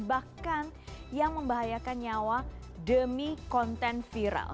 bahkan yang membahayakan nyawa demi konten viral